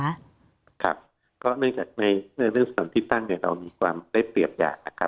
ครับก็ในเรื่องส่วนที่ตั้งเนี่ยเรามีความได้เปรียบอย่างนะคะ